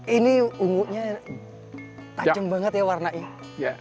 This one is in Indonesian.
ini ungunya tajam banget ya warnanya